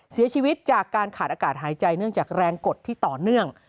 เสียชีวิตจากการขาดอากาศหายใจเนื่องจากแรงกดที่ต่อเนื่อง